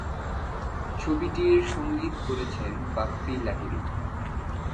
ছবিটির সংগীত করেছেন বাপ্পি লাহিড়ী।